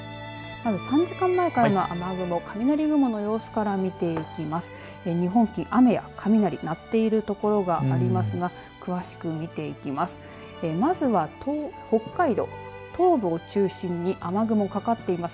まず３時間前からの雨雲雷雲の様子から見ていきます。